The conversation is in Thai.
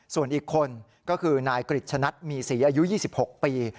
ส่วนอีกคนก็คือนายกริจชนัดมีศรีอายุ๒๖ปี